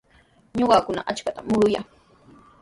Ñuqakuna achkatami muruyaa.